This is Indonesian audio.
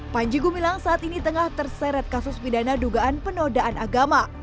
panji gumilang saat ini tengah terseret kasus pidana dugaan penodaan agama